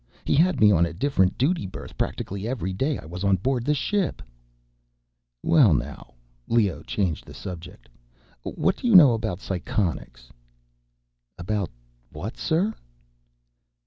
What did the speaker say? He had me on a different duty berth practically every day I was on board the ship." "Well now," Leoh changed the subject, "what do you know about psychonics?" "About what, sir?"